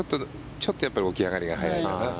ちょっと起き上がりが早いかな。